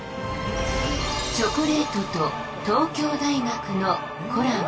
チョコレートと東京大学のコラボ